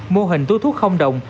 mô hình tu thuốc không đồng